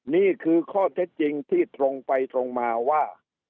นี่คือข้อเท็จจริงที่ตรงไปตรงมาว่า